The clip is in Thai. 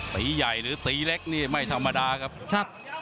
ตีใหญ่หรือสีเล็กนี่ไม่ธรรมดาครับ